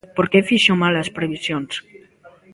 Porque fixo mal as previsións.